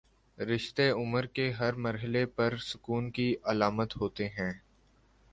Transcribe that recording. رشتے عمر کے ہر مر حلے پر سکون کی علامت ہوتے ہیں۔